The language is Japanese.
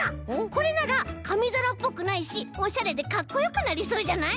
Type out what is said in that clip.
これならかみざらっぽくないしおしゃれでかっこよくなりそうじゃない？